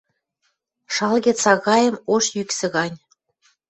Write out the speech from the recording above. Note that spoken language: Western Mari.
Шалгет сагаэм ош йӱксӹ гань.